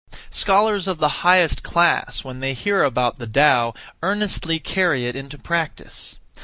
Scholars of the highest class, when they hear about the Tao, earnestly carry it into practice.